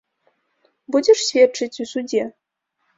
Будзеш сведчыць у судзе?